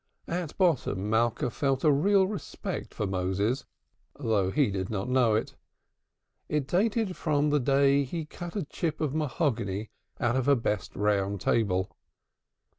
At bottom, Malka felt a real respect for Moses, though he did not know it. It dated from the day he cut a chip of mahogany out of her best round table.